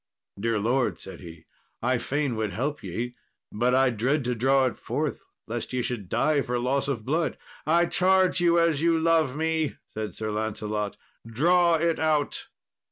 "Dear lord," said he, "I fain would help ye; but I dread to draw it forth, lest ye should die for loss of blood." "I charge you as you love me," said Sir Lancelot, "draw it out."